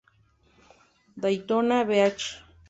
Daytona Beach".